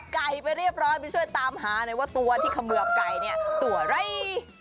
ไก่ประเรียบร้อยมีช่วยตามหาในว่าตัวที่ขะเมืองไก่เนี่ยตัวอะไร